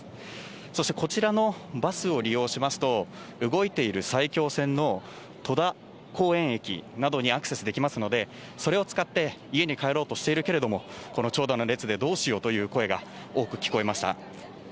そしてこちらのバスを利用しますと、動いている埼京線の戸田公園駅などにアクセスできますので、それを使って、家に帰ろうとしているけれども、この長蛇の列でどうしようという声が多く聞かれました。